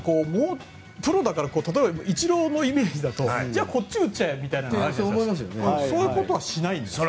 プロだから例えばイチローのイメージだとじゃあこっちに打っちゃえってそういうことはしないんですか？